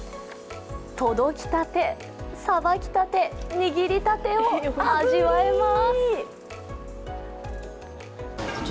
届きたて、さばきたて、握りたてを味わえます。